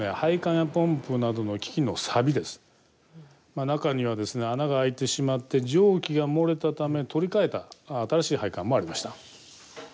まあ中にはですね穴が開いてしまって蒸気が漏れたため取り替えた新しい配管もありました。